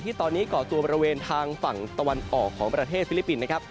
ตอนนี้ก่อตัวบริเวณทางฝั่งตะวันออกของประเทศฟิลิปปินส์นะครับ